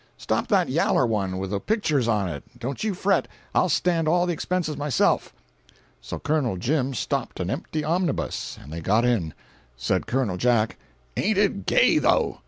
Stop that yaller one with the pictures on it—don't you fret—I'll stand all the expenses myself." So Col. Jim stopped an empty omnibus, and they got in. Said Col. Jack: "Ain't it gay, though?